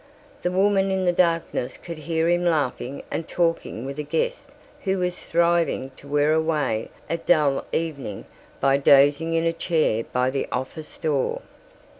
The woman in the darkness could hear him laughing and talking with a guest who was striving to wear away a dull evening by dozing in a chair by the office door.